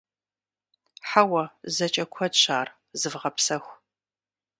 Хьэуэ, зэкӀэ куэдщ ар. Зывгъэпсэху.